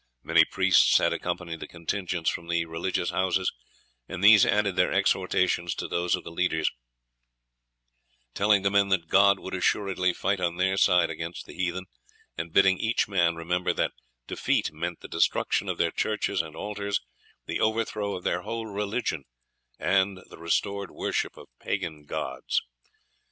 Many priests had accompanied the contingents from the religious houses, and these added their exhortations to those of the leaders, telling the men that God would assuredly fight on their side against the heathen, and bidding each man remember that defeat meant the destruction of their churches and altars, the overthrow of their whole religion, and the restored worship of the pagan gods.